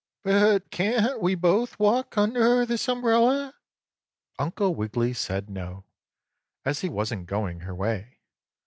"But can't we both walk under this umbrella?" Uncle Wiggily said no, as he wasn't going her way.